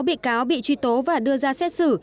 một mươi sáu bị cáo bị truy tố và đưa ra xét xử